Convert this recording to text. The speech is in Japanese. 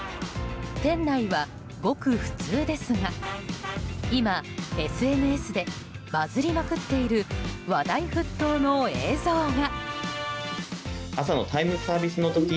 店内はごく普通ですが今、ＳＮＳでバズりまくっている話題沸騰の映像が。